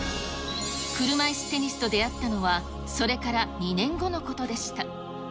車いすテニスと出会ったのは、それから２年後のことでした。